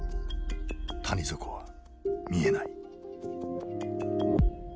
谷底は見えない。